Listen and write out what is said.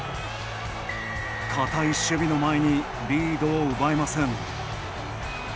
堅い守備の前にリードを奪えません。